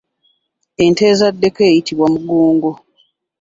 Ente ezaddeko eyitibwa mugongo.